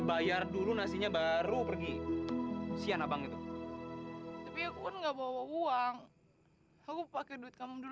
bayar dulu nasinya baru pergi sian abang itu tapi akun enggak bawa uang aku pakai duit kamu dulu